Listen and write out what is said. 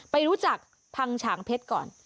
ไปรู้จักพังฉางเพชรก่อน